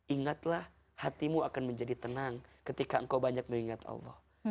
ingatlah hatimu akan menjadi tenang ketika engkau banyak mengingat allah